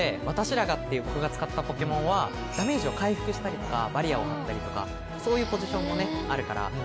ワタシラガっていう僕が使ったポケモンはダメージを回復したりとかバリアを張ったりとかそういうポジションもねあるから。